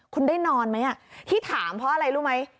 คุณได้นอนไหมที่ถามเพราะอะไรรู้ไหม